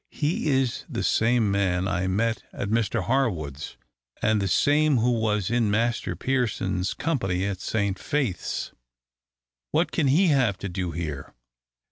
"He is the same man I met at Mr Harwood's, and the same who was in Master Pearson's company at Saint Faith's. What can he have to do here?"